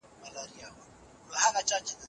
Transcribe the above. ګرګین او د هغه پوځیان په مذهب نصرانیان وو.